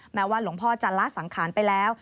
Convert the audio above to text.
แม้ว่าหลวงพ่อจะละสังขารไปแล้ว